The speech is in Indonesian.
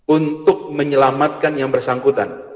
untuk menyelamatkan yang bersangkutan